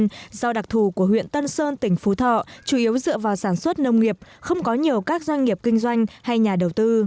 hộ nghèo của huyện tân sơn tỉnh phú thọ chủ yếu dựa vào sản xuất nông nghiệp không có nhiều các doanh nghiệp kinh doanh hay nhà đầu tư